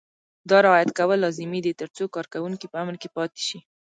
دا رعایت کول لازمي دي ترڅو کارکوونکي په امن کې پاتې شي.